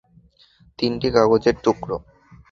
তিনটি কাগজের টুকরো।